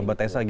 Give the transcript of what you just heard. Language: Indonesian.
mbak tessa juga